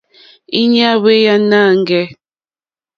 Íɲá hwéyè nâŋɡɛ̂.